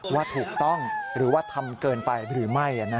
ว่าถูกต้องหรือว่าทำเกินไปหรือไม่